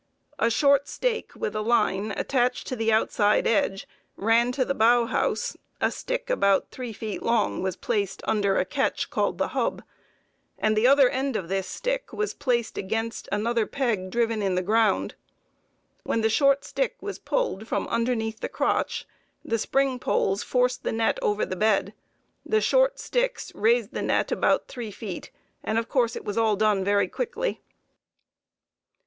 A short stake with a line attached to the outside edge ran to the bough house, a stick about three feet long was placed under a catch called the hub, and the other end of this stick was placed against another peg driven in the ground. When the short stick was pulled from underneath the crotch, the spring poles forced the net over the bed; the short sticks raised the net about three feet; and of course it was all done very quickly.